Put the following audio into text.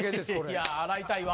いや洗いたいわ。